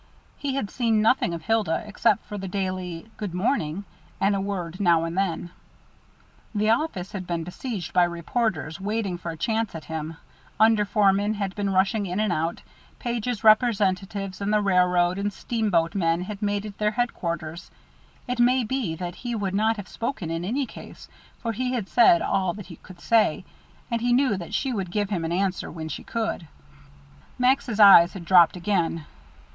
He had seen nothing of Hilda, except for the daily "Good morning," and a word now and then. The office had been besieged by reporters waiting for a chance at him; under foremen had been rushing in and out; Page's representatives and the railroad and steamboat men had made it their headquarters. It may be that he would not have spoken in any case, for he had said all that he could say, and he knew that she would give him an answer when she could. Max's eyes had dropped again.